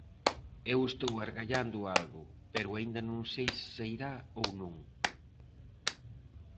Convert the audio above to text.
Eu estou argallando algo, pero aínda non sei se sairá ou non.